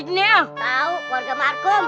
tau keluarga markom